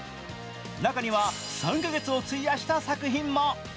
中には３か月を費やした作品も。